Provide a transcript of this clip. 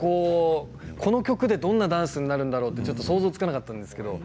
この曲でどんなダンスになるんだろうと、ちょっと想像つかなかったんですけど